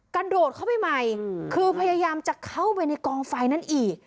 กระโดดเข้าไปใหม่คือพยายามจะเข้าไปในกองไฟนั้นอีก